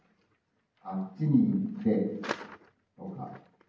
あっちに行ってとか。